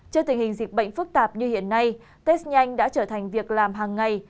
trước tình hình dịch bệnh phức tạp như hiện nay test nhanh đã trở thành việc làm hàng ngày